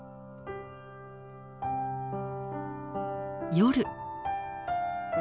夜。